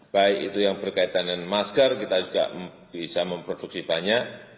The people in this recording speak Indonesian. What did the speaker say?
baik itu yang berkaitan dengan masker kita juga bisa memproduksi banyak